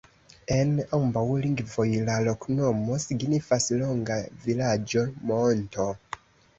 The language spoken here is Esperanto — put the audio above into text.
En ambaŭ lingvoj la loknomo signifas: longa vilaĝo-monto.